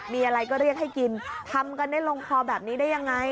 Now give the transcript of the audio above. มีอะไรก็เรียกให้กินทำกันได้ลงคอแบบนี้ได้ยังไง